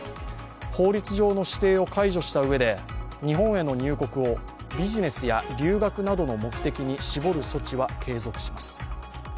法律上の指定を解除したうえで日本への入国をビジネスや留学などの目的に絞る措置は継続します。